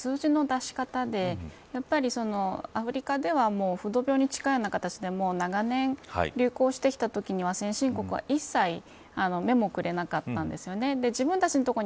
この場合重要なのは数字の出し方でアフリカでは風土病に近いような形で長年、流行してきたときには先進国は一切目もくれなかったんですよね。